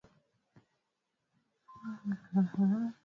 nje hapa ni kuichukuwa hiyo kama changamoto